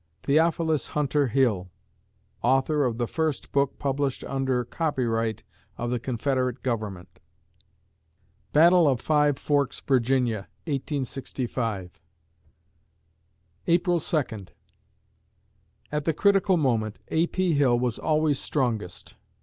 THEOPHILUS HUNTER HILL (Author of the first book published under copyright of the Confederate Government) Battle of Five Forks, Virginia, 1865 April Second At the critical moment A. P. Hill was always strongest.